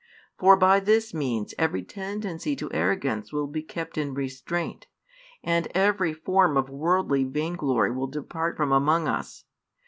For by this means every tendency to arrogance will be kept in restraint, and every form of worldly vain glory will depart from among us.